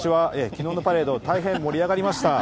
きのうのパレード、大変盛り上がりました。